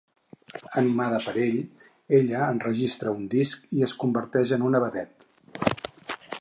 Animada per ell, ella enregistra un disc i es converteix en una vedet.